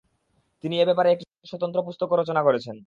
তিনি এ ব্যাপারে একটি স্বতন্ত্র পুস্তকও রচনা করেছেন।